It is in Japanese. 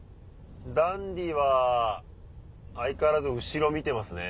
ダンディは相変わらず後ろ見てますね。